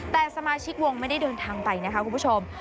แต่สมาชิกวงไม่ได้เดินทางไปนะคะคุณผู้ชม